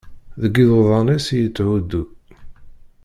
Deg iḍudan-is i yettɛuddu.